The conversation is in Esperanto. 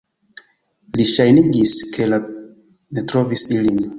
Li ŝajnigis, ke ne trovis ilin.